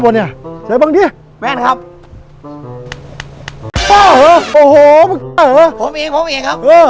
โอ้เฮ้อให้บ้านมาดูดิวะ